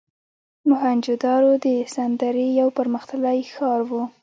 موهنچودارو د سند درې یو پرمختللی ښار و.